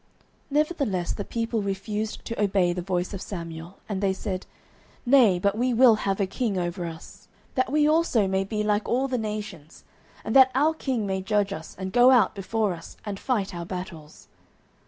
09:008:019 Nevertheless the people refused to obey the voice of Samuel; and they said, Nay; but we will have a king over us; 09:008:020 That we also may be like all the nations; and that our king may judge us, and go out before us, and fight our battles.